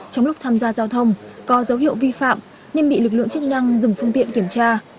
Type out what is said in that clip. trong lúc tham gia giao thông có dấu hiệu vi phạm nên bị lực lượng chức năng dừng phương tiện kiểm tra